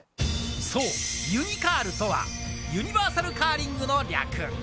そう、ユニカールとは、ユニバーサルカーリングの略。